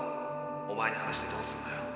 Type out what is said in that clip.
おまえに話してどうすんだよ。